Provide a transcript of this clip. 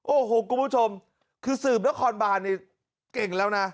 โอ้โหคุณผู้ชมคือสืบนครบานนี่เก่งแล้วนะ